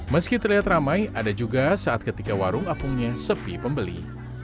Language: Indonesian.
meski terlihat ramai ada juga saat ketika warung apungnya sepi pembeli